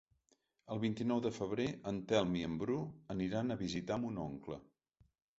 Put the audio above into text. El vint-i-nou de febrer en Telm i en Bru aniran a visitar mon oncle.